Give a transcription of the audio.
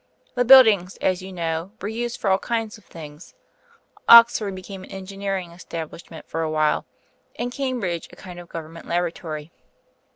The buildings, as you know, were used for all kinds of things. Oxford became an engineering establishment for a while, and Cambridge a kind of Government laboratory.